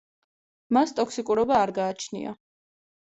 მას ტოქსიკურობა არ გააჩნია.